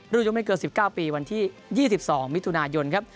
ยุคไม่เกิน๑๙ปีวันที่๒๒มิถุนายนครับ